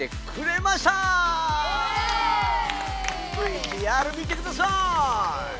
ＶＴＲ見てください！